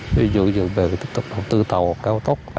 ví dụ dự về tiếp tục đầu tư tàu cao tốc